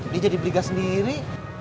dia jadi beliga sendiri